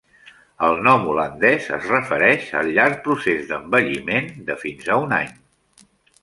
El nom holandès es refereix al llarg procés d'envelliment, de fins a un any.